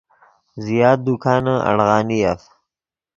زیات دکانے اڑغانیف